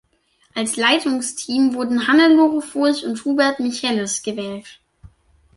Als Leitungsteam wurden Hannelore Furch und Hubert Michelis gewählt.